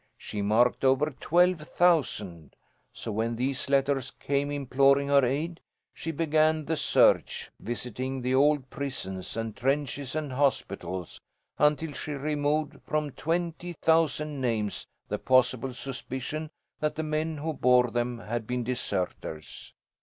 She marked over twelve thousand. So when these letters came imploring her aid, she began the search, visiting the old prisons, and trenches and hospitals, until she removed from twenty thousand names the possible suspicion that the men who bore them had been deserters.